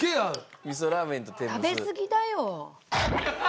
食べすぎだよ。